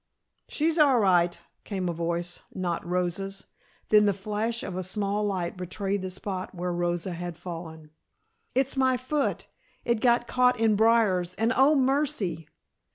"She's all right " came a voice not Rosa's. Then the flash of a small light betrayed the spot where Rosa had fallen. "It's my foot, it got caught in briars, and oh, mercy!"